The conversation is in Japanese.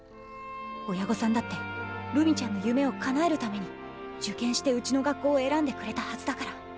親御さんだってるみちゃんの夢をかなえるために受験してうちの学校を選んでくれたはずだから。